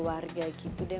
verdad mata itu ya